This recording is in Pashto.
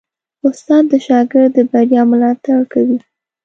استاد د شاګرد د بریا ملاتړ کوي.